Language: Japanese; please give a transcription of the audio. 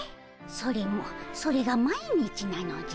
それもそれが毎日なのじゃ。